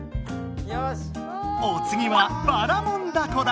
おつぎはばらもん凧だ。